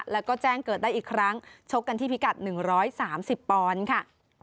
แล้วก็แจ้งเกิดได้อีกครั้งชกกันที่พิกัด๑๓๐ปอนด์ค่ะ